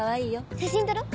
写真撮ろう。